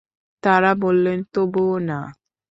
তারা বললেন তবুও না।